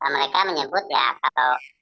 mereka menyebut ya kalau